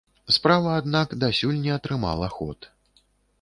Справа, аднак, дасюль не атрымала ход.